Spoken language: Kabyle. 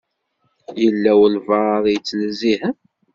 Yella walebɛaḍ i yettnezzihen.